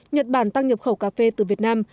nhật bản tăng nhập khẩu cà phê từ việt nam